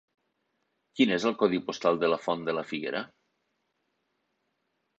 Quin és el codi postal de la Font de la Figuera?